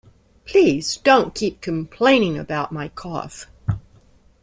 Please don't keep complaining about my cough